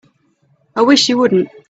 I wish you wouldn't.